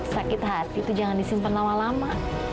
sakit hati itu jangan disimpan lama lama